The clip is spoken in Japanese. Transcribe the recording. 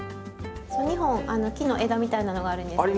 ２本木の枝みたいなのがあるんですけど。